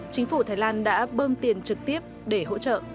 chính phủ thái lan đã bơm tiền trực tiếp để hỗ trợ